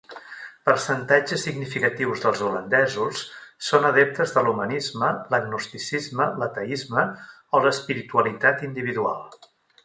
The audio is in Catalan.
Percentatges significatius dels holandesos són adeptes de l'humanisme, l'agnosticisme, l'ateisme o l'espiritualitat individual.